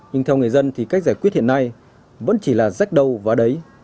nhưng theo người dân thì cách giải quyết hiện nay vẫn chỉ là rách đâu và đấy